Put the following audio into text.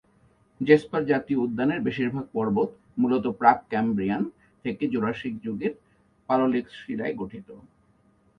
Jesper জাতীয় উদ্যানের বেশিরভাগ পর্বত মূলত প্রাক-ক্যাম্ব্রিয়ান থেকে জুরাসিক যুগের পাললিক শিলায় গঠিত।